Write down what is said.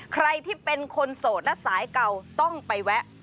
ใครที่เป็นคนโสดและสายเก่าต้องไปแวะ